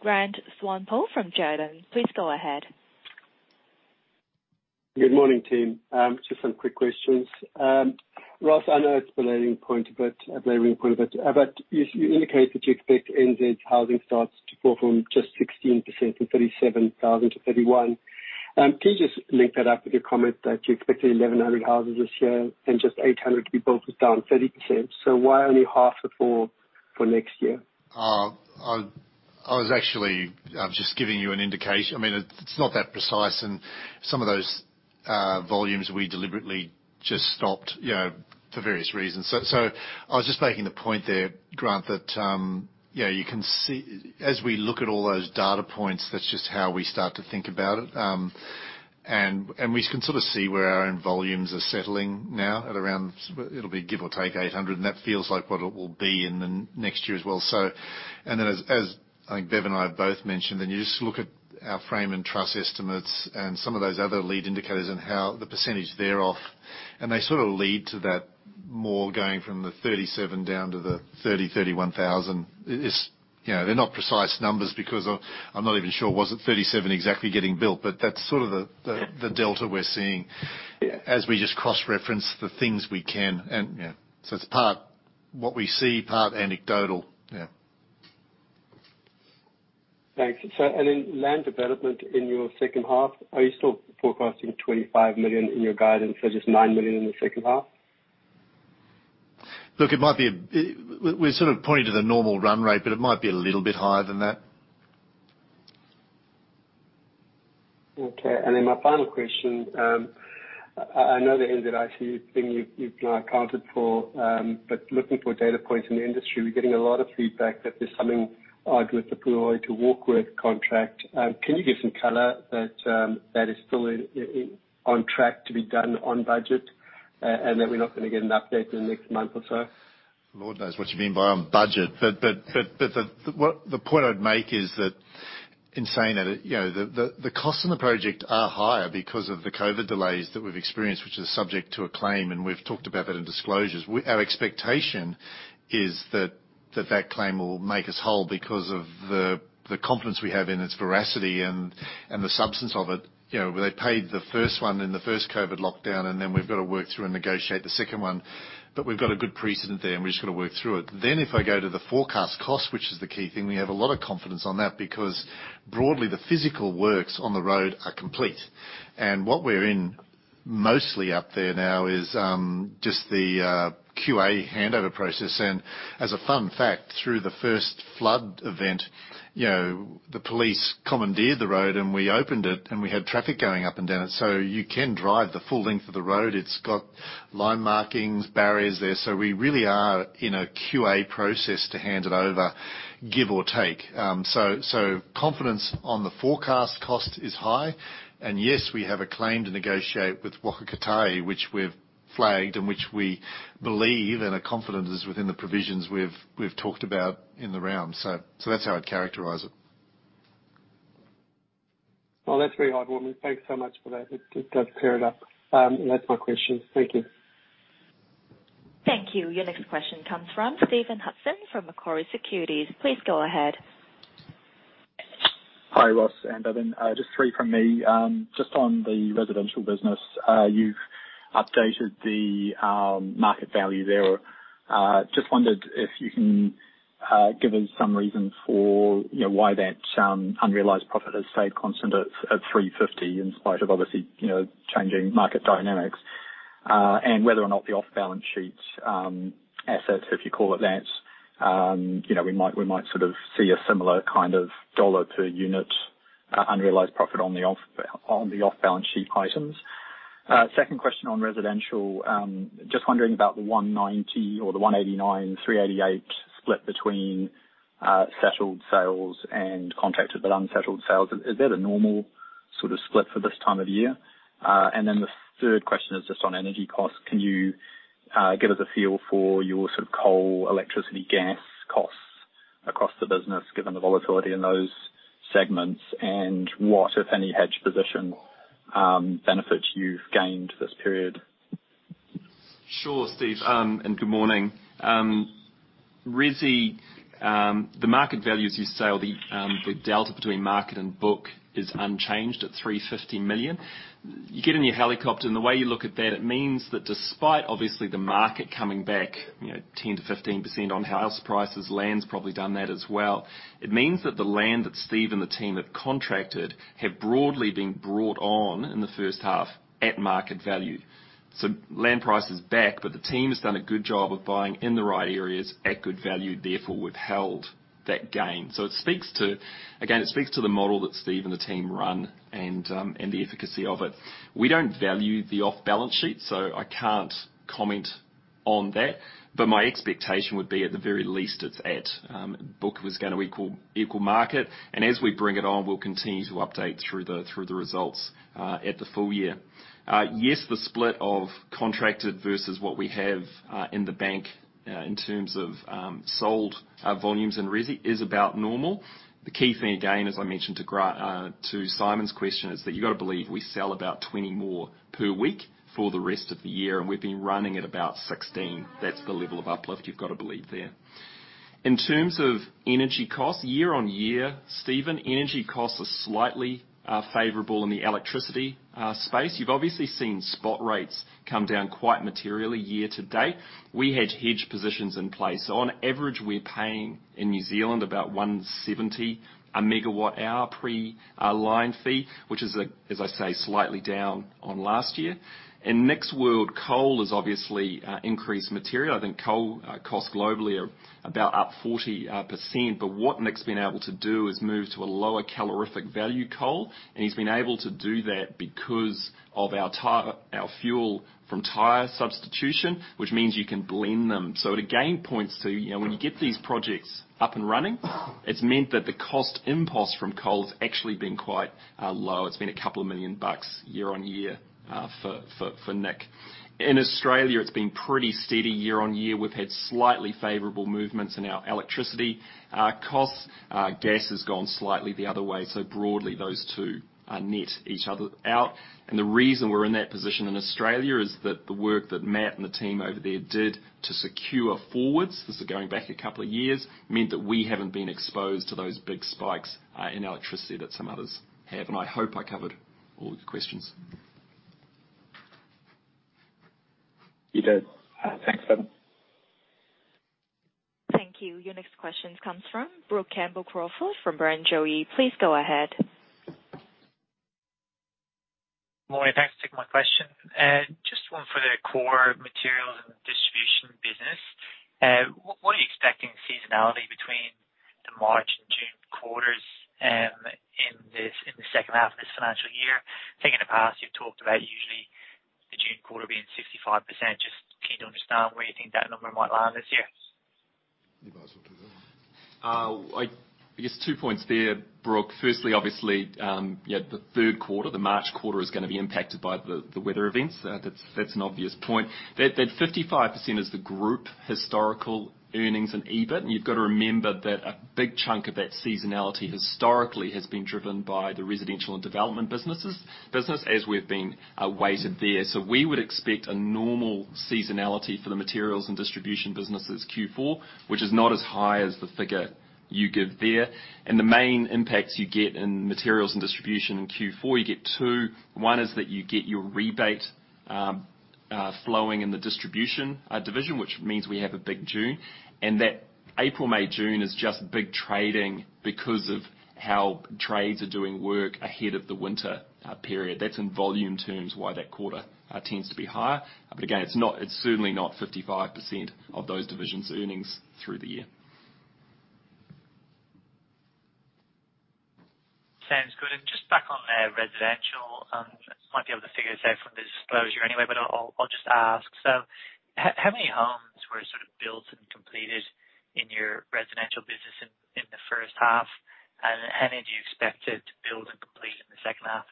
Grant Swanepoel from Jarden. Please go ahead.
Good morning, team. Just some quick questions. Ross, I know it's a belaying point, a blaring point, but you indicate that you expect NZ's housing starts to perform just 16% from 37,000 to 31. Can you just link that up with your comment that you expected 1,100 houses this year and just 800 to be built, was down 30%? Why only half the fall for next year?
I'm just giving you an indication. I mean, it's not that precise. Some of those volumes we deliberately just stopped, you know, for various reasons. I was just making the point there, Grant, that, you know, you can see as we look at all those data points, that's just how we start to think about it. We can sort of see where our own volumes are settling now at around give or take 800, and that feels like what it will be in the next year as well. As, as I think Steve and I both mentioned, then you just look at our frame and truss estimates and some of those other lead indicators and how the percentage they're off, and they sort of lead to that more going from the 37 down to the 30,000-31,000. You know, they're not precise numbers because I'm not even sure was it 37 exactly getting built, but that's sort of the delta we're seeing as we just cross-reference the things we can and, you know. It's part what we see, part anecdotal. Yeah.
Thanks. And then land development in your second half, are you still forecasting 25 million in your guidance or just 9 million in the second half?
Look, it might be We're sort of pointing to the normal run rate, but it might be a little bit higher than that.
Okay. My final question, I know the NZICC thing you've now accounted for. Looking for data points in the industry, we're getting a lot of feedback that there's something odd with the Puhoi to Warkworth contract. Can you give some color that that is still on track to be done on budget, and that we're not gonna get an update in the next month or so?
Lord knows what you mean by on budget. The point I'd make is that in saying that, you know, the costs on the project are higher because of the COVID delays that we've experienced, which is subject to a claim, and we've talked about that in disclosures. Our expectation is that claim will make us whole because of the confidence we have in its veracity and the substance of it. You know, they paid the first one in the first COVID lockdown, and then we've got to work through and negotiate the second one. We've got a good precedent there, and we've just got to work through it. If I go to the forecast cost, which is the key thing, we have a lot of confidence on that because broadly, the physical works on the road are complete. What we're in mostly up there now is just the QA handover process. As a fun fact, through the first flood event, you know, the police commandeered the road and we opened it and we had traffic going up and down it. You can drive the full length of the road. It's got line markings, barriers there. We really are in a QA process to hand it over, give or take. So confidence on the forecast cost is high. Yes, we have a claim to negotiate with Waka kotahi, which we've flagged and which we believe and are confident is within the provisions we've talked about in the round. That's how I'd characterize it.
Well, that's very helpful. Thanks so much for that. It does clear it up. That's my question. Thank you.
Thank you. Your next question comes from Stephen Hudson from Macquarie Securities. Please go ahead.
Hi, Ross and Bev. Just three from me. Just on the residential business, you've updated the market value there. Just wondered if you can give us some reason for, you know, why that unrealized profit has stayed constant at 350, in spite of obviously, you know, changing market dynamics. Whether or not the off-balance sheet assets, if you call it that, you know, we might sort of see a similar kind of dollar to unit unrealized profit on the off-balance sheet items. Second question on residential, just wondering about the 190 or the 189, 388 split between settled sales and contracted but unsettled sales. Is that a normal sort of split for this time of year? Then the third question is just on energy costs. Can you give us a feel for your sort of coal, electricity, gas costs across the business, given the volatility in those segments, and what, if any, hedge position, benefits you've gained this period?
Sure, Steve, good morning. Resi, the market values you sell the delta between market and book is unchanged at 350 million. You get in your helicopter, the way you look at that, it means that despite obviously the market coming back, you know, 10%-15% on house prices, land's probably done that as well. It means that the land that Steve and the team have contracted have broadly been brought on in the first half at market value. Land price is back. The team has done a good job of buying in the right areas at good value, therefore, we've held that gain. It speaks to... Again, it speaks to the model that Steve and the team run and the efficacy of it. We don't value the off-balance sheet. I can't comment on that. My expectation would be, at the very least, it's at book was gonna equal market. As we bring it on, we'll continue to update through the results at the full year. Yes, the split of contracted versus what we have in the bank in terms of sold volumes and resi is about normal. The key thing, again, as I mentioned to Simon's question, is that you gotta believe we sell about 20 more per week for the rest of the year, and we've been running at about 16. That's the level of uplift you've gotta believe there. In terms of energy costs, year-on-year, Steven, energy costs are slightly favorable in the electricity space. You've obviously seen spot rates come down quite materially year-to-date. We had hedge positions in place. On average, we're paying in New Zealand about 170 a megawatt hour pre-our line fee, which is, as I say, slightly down on last year. In Nick's world, coal is obviously increased material. I think coal costs globally are about up 40%. What Nick's been able to do is move to a lower calorific value coal, and he's been able to do that because of our tire, our fuel from tire substitution, which means you can blend them. It again points to, you know, when you get these projects up and running, it's meant that the cost impulse from coal has actually been quite low. It's been a couple of million NZD year-on-year for Nick. In Australia, it's been pretty steady year-on-year. We've had slightly favorable movements in our electricity costs. Gas has gone slightly the other way. Broadly, those two net each other out. The reason we're in that position in Australia is that the work that Matt and the team over there did to secure forwards, this is going back a couple of years, meant that we haven't been exposed to those big spikes in electricity that some others have. I hope I covered all of your questions.
You did. Thanks, Ben.
Thank you. Your next question comes from Brooke Campbell-Crawford from Barrenjoey. Please go ahead.
Morning. Thanks for taking my question. Just one for the core materials and distribution business. What are you expecting seasonality between the March and June quarters in the second half of this financial year? I think in the past, you've talked about usually the June quarter being 65%. Just keen to understand where you think that number might land this year.
You might as well take that one.
I guess 2 points there, Brooke. Firstly, obviously, the 3rd quarter, the March quarter is gonna be impacted by the weather events. That's an obvious point. That 55% is the group historical earnings and EBIT. You've got to remember that a big chunk of that seasonality historically has been driven by the residential and development businesses as we've been weighted there. We would expect a normal seasonality for the materials and distribution business as Q4, which is not as high as the figure you give there. The main impacts you get in materials and distribution in Q4, you get two. One is that you get your rebate flowing in the distribution division, which means we have a big June. That April, May, June is just big trading because of how trades are doing work ahead of the winter period. That's in volume terms, why that quarter tends to be higher. Again, it's not, it's certainly not 55% of those divisions' earnings through the year.
Sounds good. Just back on, residential, might be able to figure this out from the disclosure anyway, but I'll just ask. How many homes were sort of built and completed in your residential business in the first half? How many do you expect to build and complete in the second half?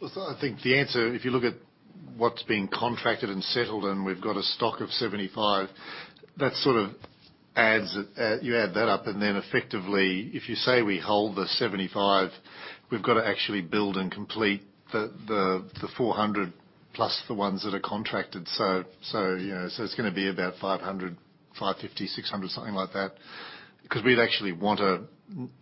Well, I think the answer, if you look at what's been contracted and settled and we've got a stock of 75, that sort of adds, you add that up, and then effectively, if you say we hold the 75, we've got to actually build and complete the 400 plus the ones that are contracted. You know, so it's gonna be about 500, 550, 600, something like that. 'Cause we'd actually want to,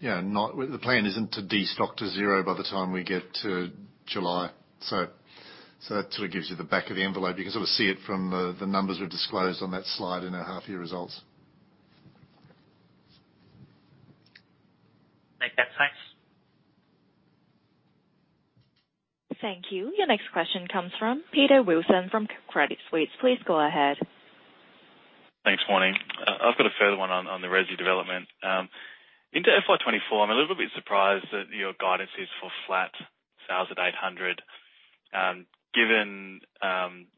you know, the plan isn't to destock to 0 by the time we get to July. That sort of gives you the back of the envelope. You can sort of see it from the numbers we've disclosed on that slide in our half-year results.
Make that sense.
Thank you. Your next question comes from Peter Wilson from Credit Suisse. Please go ahead.
Thanks. Morning. I've got a further one on the resi development. Into FY 2024, I'm a little bit surprised that your guidance is for flat sales at 800, given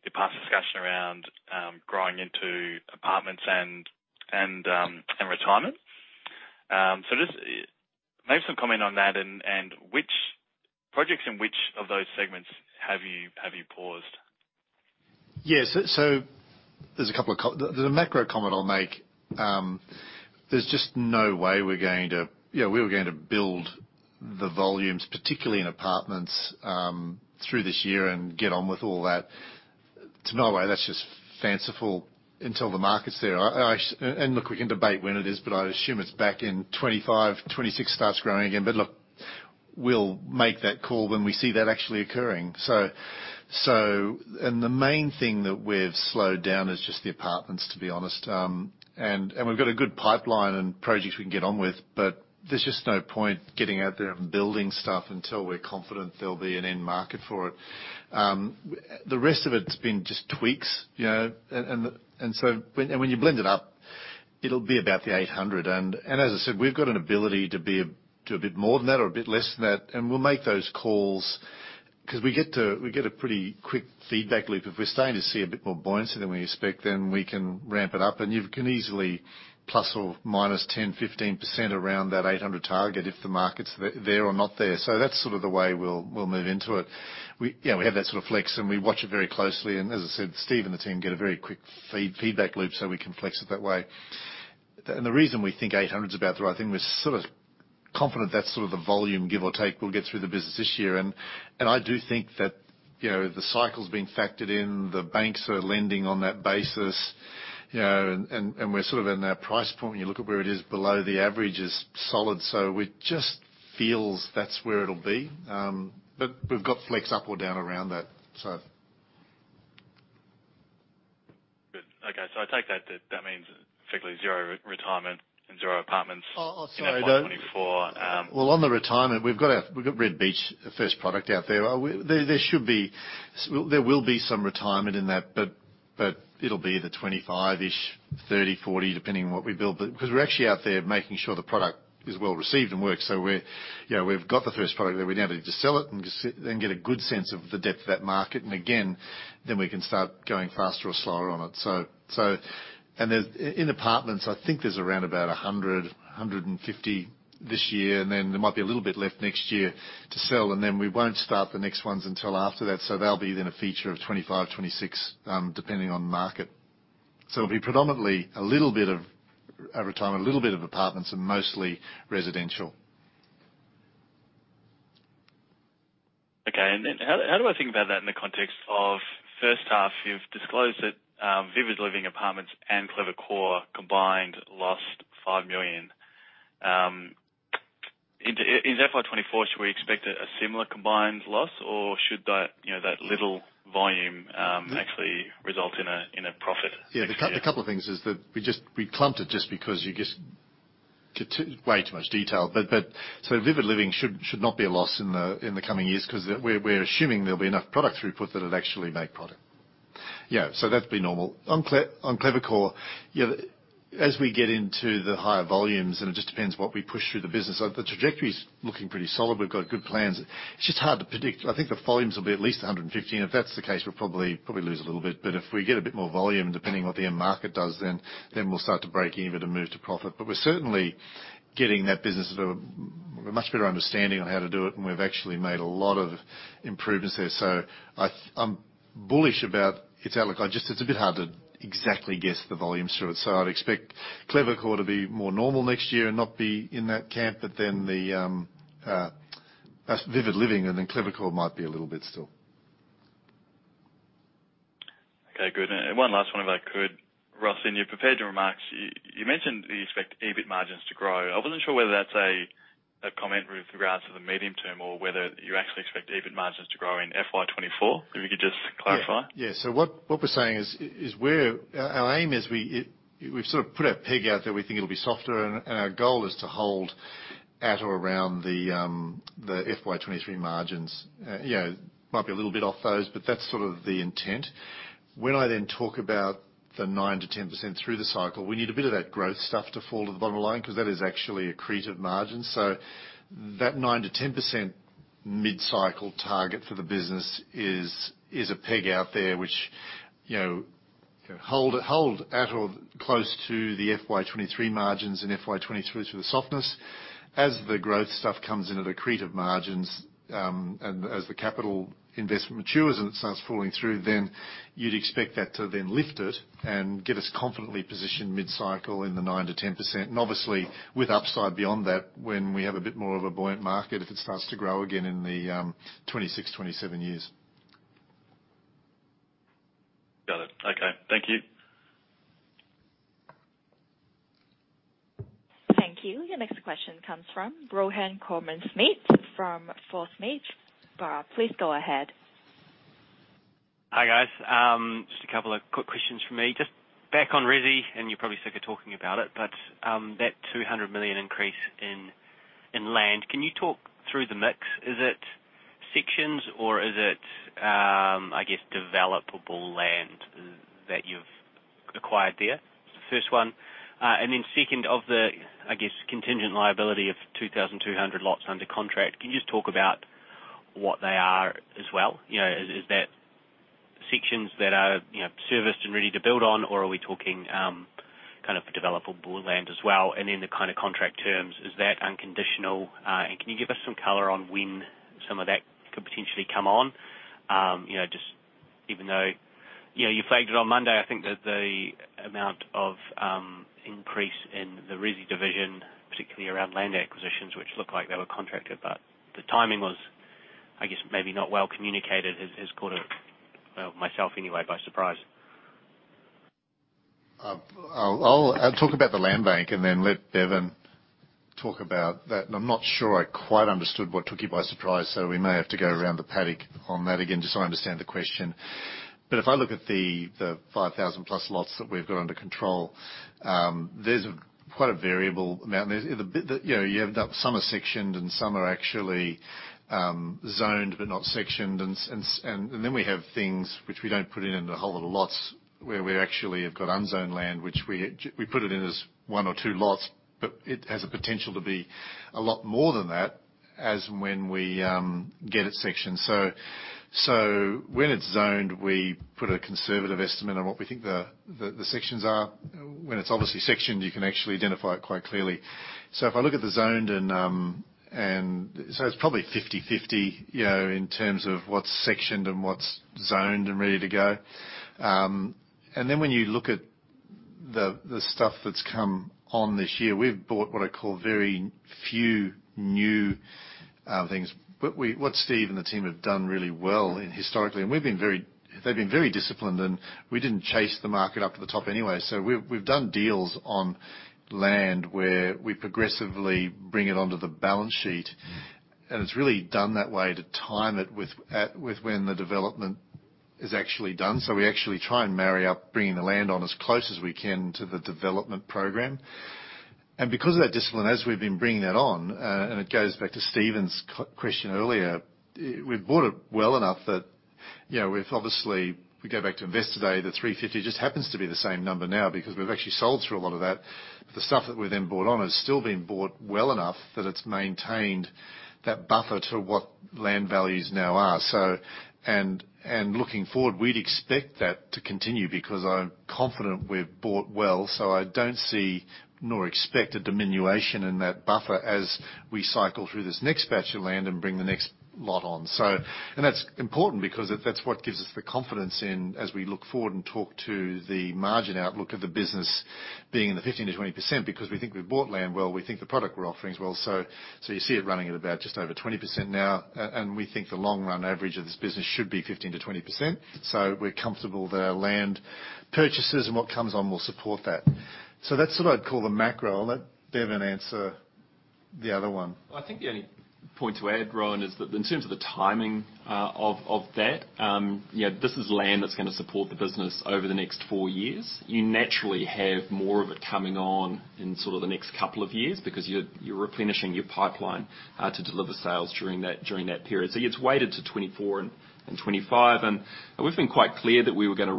the past discussion around growing into apartments and retirement. Just maybe some comment on that and which projects in which of those segments have you paused?
Yes. There's a couple of There's a macro comment I'll make. There's just no way we're going to, yeah, we were going to build the volumes, particularly in apartments, through this year and get on with all that. There's no way, that's just fanciful until the market's there. I, Look, we can debate when it is, but I assume it's back in 2025, 2026 starts growing again. Look, we'll make that call when we see that actually occurring. The main thing that we've slowed down is just the apartments, to be honest. And we've got a good pipeline and projects we can get on with, but there's just no point getting out there and building stuff until we're confident there'll be an end market for it. The rest of it's been just tweaks, you know. So when you blend it up, it'll be about the 800. As I said, we've got an ability to do a bit more than that or a bit less than that, and we'll make those calls 'cause we get a pretty quick feedback loop. If we're starting to see a bit more buoyancy than we expect, then we can ramp it up. You can easily ±10%, 15% around that 800 target if the market's there or not there. That's sort of the way we'll move into it. You know, we have that sort of flex, and we watch it very closely. As I said, Steve and the team get a very quick feedback loop, so we can flex it that way. The reason we think 800's about the right thing, we're sort of confident that's sort of the volume, give or take, we'll get through the business this year. I do think that, you know, the cycle's been factored in, the banks are lending on that basis, you know. We're sort of in that price point, when you look at where it is below the average is solid, so just feels that's where it'll be. We've got flex up or down around that.
Good. Okay. I take that means effectively zero retirement and zero apartments-
I'll say.
in 2024.
Well, on the retirement, we've got Red Beach, the first product out there. Well, there will be some retirement in that, but it'll be the 25-ish, 30, 40, depending on what we build. But because we're actually out there making sure the product is well received and works, so we're, you know, we've got the first product there. We now need to sell it and then get a good sense of the depth of that market. Again, then we can start going faster or slower on it. Then in apartments, I think there's around about 150 this year, and then there might be a little bit left next year to sell. Then we won't start the next ones until after that. They'll be then a feature of 2025, 2026, depending on the market. It'll be predominantly a little bit of retirement, a little bit of apartments and mostly residential.
How do I think about that in the context of first half? You've disclosed that Vivid Living Apartments and Clever Core combined lost 5 million. Is FY 2024, should we expect a similar combined loss, or should that, you know, that little volume?
Mm-hmm
Actually result in a, in a profit next year?
Yeah. A couple of things is that we clumped it just because you just way too much detail. Vivid Living should not be a loss in the coming years 'cause we're assuming there'll be enough product throughput that it'll actually make product. Yeah. That'd be normal. On Clever Core, you know, as we get into the higher volumes, it just depends what we push through the business, the trajectory's looking pretty solid. We've got good plans. It's just hard to predict. I think the volumes will be at least 150, if that's the case, we'll probably lose a little bit. If we get a bit more volume, depending what the end market does, then we'll start to break even and move to profit. We're certainly getting that business at a much better understanding on how to do it, and we've actually made a lot of improvements there. I'm bullish about its outlook. I just, it's a bit hard to exactly guess the volumes through it. I'd expect Clever Core to be more normal next year and not be in that camp. The Vivid Living and then Clever Core might be a little bit still.
Okay, good. One last one, if I could. Ross, in your prepared remarks, you mentioned that you expect EBIT margins to grow. I wasn't sure whether that's a comment with regards to the medium term or whether you actually expect EBIT margins to grow in FY 2024. If you could just clarify.
What we're saying is our aim is we've sort of put our peg out there, we think it'll be softer and our goal is to hold at or around the FY23 margins. You know, might be a little bit off those, but that's sort of the intent. When I talk about the 9%-10% through the cycle, we need a bit of that growth stuff to fall to the bottom line 'cause that is actually accretive margins. That 9%-10% mid-cycle target for the business is a peg out there which, you know, hold at or close to the FY23 margins and FY22 through the softness. As the growth stuff comes in at accretive margins, and as the capital investment matures and it starts falling through, then you'd expect that to then lift it and get us confidently positioned mid-cycle in the 9%-10%. Obviously, with upside beyond that, when we have a bit more of a buoyant market, if it starts to grow again in the, 2026, 2027 years.
Got it. Okay. Thank you.
Thank you. Your next question comes from Rohan Koreman-Smit from Forsyth Barr. Please go ahead.
Hi, guys. Just a couple of quick questions from me. Just back on resi. You're probably sick of talking about it, that 200 million increase in land, can you talk through the mix? Is it sections or is it, I guess, developable land that you've acquired there? First one. Then second of the, I guess, contingent liability of 2,200 lots under contract, can you just talk about what they are as well? You know, is that sections that are, you know, serviced and ready to build on, or are we talking kind of developable land as well? In the kind of contract terms, is that unconditional? Can you give us some color on when some of that could potentially come on? You know, just even though, you know, you flagged it on Monday, I think that the amount of increase in the resi division, particularly around land acquisitions, which look like they were contracted, but the timing was, I guess, maybe not well communicated, has caught, well, myself anyway, by surprise.
I'll talk about the land bank and then let Bevan talk about that. I'm not sure I quite understood what took you by surprise, so we may have to go around the paddock on that again, just so I understand the question. If I look at the 5,000 plus lots that we've got under control, there's quite a variable amount. There's the bit that, you know, you have some are sectioned and some are actually zoned but not sectioned. Then we have things which we don't put in into a whole lot of lots where we actually have got unzoned land, which we put it in as one or two lots, but it has a potential to be a lot more than that as and when we get it sectioned. When it's zoned, we put a conservative estimate on what we think the sections are. When it's obviously sectioned, you can actually identify it quite clearly. If I look at the zoned and so it's probably 50/50, you know, in terms of what's sectioned and what's zoned and ready to go. Then when you look at the stuff that's come on this year, we've bought what I call very few new things. What Steve and the team have done really well historically, and they've been very disciplined, and we didn't chase the market up to the top anyway. We, we've done deals on land where we progressively bring it onto the balance sheet, and it's really done that way to time it with when the development is actually done. We actually try and marry up bringing the land on as close as we can to the development program. Because of that discipline, as we've been bringing that on, and it goes back to Stephen's question earlier, we've bought it well enough that, you know, we've obviously, if we go back to invest today, the 350 just happens to be the same number now because we've actually sold through a lot of that. The stuff that we then bought on has still been bought well enough that it's maintained that buffer to what land values now are. Looking forward, we'd expect that to continue because I'm confident we've bought well. I don't see nor expect a diminution in that buffer as we cycle through this next batch of land and bring the next lot on. That's important because that's what gives us the confidence in as we look forward and talk to the margin outlook of the business being in the 15%-20%, because we think we've bought land well. We think the product we're offering is well. You see it running at about just over 20% now, we think the long run average of this business should be 15%-20%. We're comfortable the land purchases and what comes on will support that. That's what I'd call the macro. I'll let Bevan answer the other one.
I think the only point to add, Rowan, is that in terms of the timing of that, you know, this is land that's gonna support the business over the next four years. You naturally have more of it coming on in sort of the next couple of years because you're replenishing your pipeline to deliver sales during that period. It's weighted to 2024 and 2025. We've been quite clear that we were gonna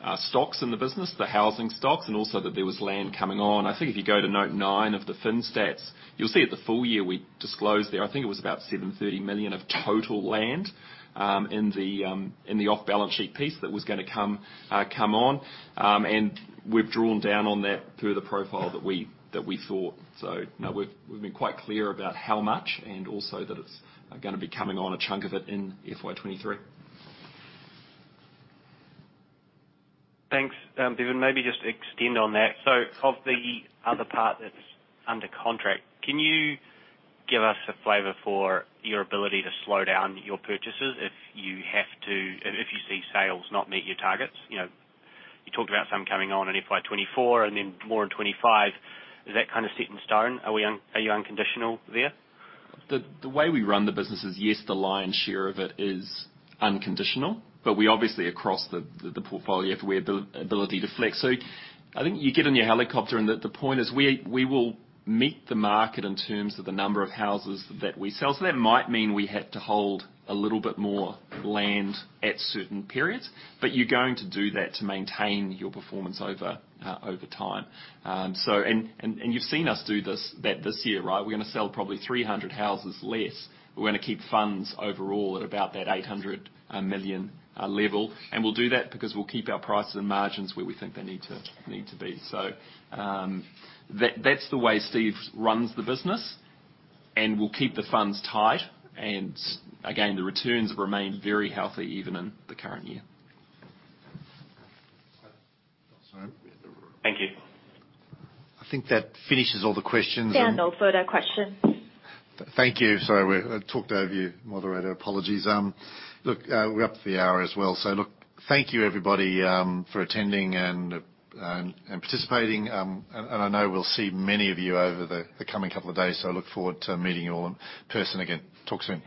rebuild stocks in the business, the housing stocks, and also that there was land coming on. I think if you go to note nine of the fin stats, you'll see at the full year we disclosed there, I think it was about 730 million of total land in the off-balance sheet piece that was gonna come on. We've drawn down on that per the profile that we thought. You know, we've been quite clear about how much and also that it's gonna be coming on a chunk of it in FY 2023.
Thanks. Bevan, maybe just extend on that. Of the other part that's under contract, can you give us a flavor for your ability to slow down your purchases if you have to, if you see sales not meet your targets? You know, you talked about some coming on in FY 2024 and then more in 25. Is that kind of set in stone? Are you unconditional there?
The way we run the business is, yes, the lion's share of it is unconditional, but we obviously, across the portfolio, have the ability to flex. I think you get in your helicopter, and the point is we will meet the market in terms of the number of houses that we sell. That might mean we have to hold a little bit more land at certain periods, but you're going to do that to maintain your performance over time. You've seen us do this, that this year, right? We're gonna sell probably 300 houses less. We're gonna keep funds overall at about that 800 million level. We'll do that because we'll keep our prices and margins where we think they need to be. That's the way Steve runs the business, and we'll keep the funds tight. Again, the returns remain very healthy even in the current year.
Sorry.
Thank you.
I think that finishes all the questions.
No further questions.
Thank you. Sorry, I talked over you, moderator. Apologies. Look, we're up to the hour as well. Look, thank you, everybody, for attending and participating. I know we'll see many of you over the coming couple of days, so look forward to meeting you all in person again. Talk soon.